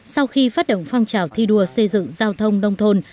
sau khi phát động phong trào thi đua xây dựng giao thông nông thôn